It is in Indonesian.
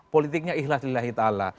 politiknya ihlas lillahi ta'ala